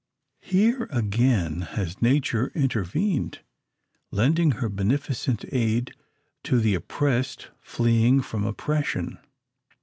Here, again, has Nature intervened, lending her beneficent aid to the oppressed fleeing from oppression.